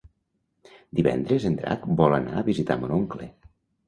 Divendres en Drac vol anar a visitar mon oncle.